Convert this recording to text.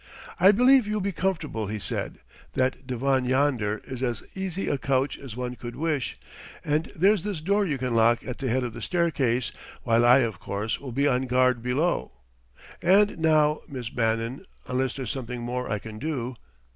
"I believe you'll be comfortable," he said "that divan yonder is as easy a couch as one could wish and there's this door you can lock at the head of the staircase; while I, of course, will be on guard below.... And now, Miss Bannon... unless there's something more I can do